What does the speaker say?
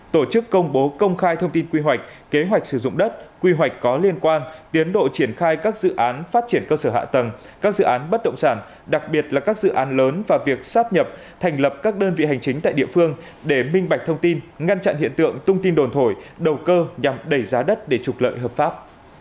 tổ chức công bố công khai thông tin quy hoạch kế hoạch sử dụng đất quy hoạch có liên quan tiến độ triển khai các dự án phát triển cơ sở hạ tầng các dự án bất động sản đặc biệt là các dự án lớn và việc sắp nhập thành lập các đơn vị hành chính tại địa phương để minh bạch thông tin ngăn chặn hiện tượng tung tin đồn thổi đầu cơ nhằm đẩy giá đất để trục lợi hợp pháp